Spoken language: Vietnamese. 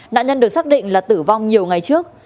nạn nhân được xác định là tử vong nhiều ngày trước